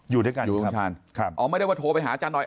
อยู่ด้วยกันครับอยู่กับคุณชาญอ๋อไม่ได้ว่าโทรไปหาอาจารย์หน่อย